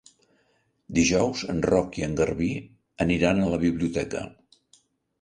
Dijous en Roc i en Garbí aniran a la biblioteca.